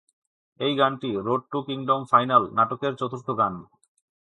এই গানটি "Road to Kingdom Final" নাটকের চতুর্থ গান।